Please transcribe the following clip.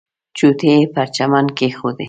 چوټې یې پر چمن کېښودې.